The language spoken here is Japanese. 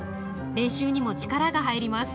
練習にも力が入ります。